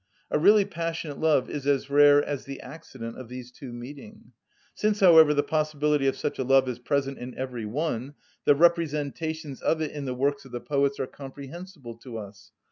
A really passionate love is as rare as the accident of these two meeting. Since, however, the possibility of such a love is present in every one, the representations of it in the works of the poets are comprehensible to us.